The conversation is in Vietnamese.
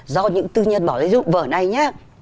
do những tư nhân bỏ lấy dụng vở này nhé